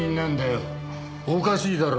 おかしいだろ。